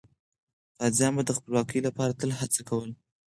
غازیان به د خپلواکۍ لپاره تل هڅه کوله.